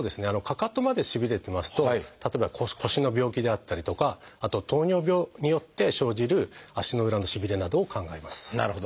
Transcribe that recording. かかとまでしびれてますと例えば腰の病気であったりとかあと糖尿病によって生じる足の裏のしびれなどを考えます。